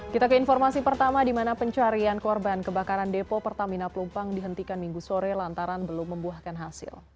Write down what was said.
kita ke informasi pertama di mana pencarian korban kebakaran depo pertamina pelumpang dihentikan minggu sore lantaran belum membuahkan hasil